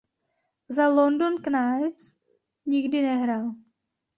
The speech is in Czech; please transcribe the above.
Za London Knights nikdy nehrál.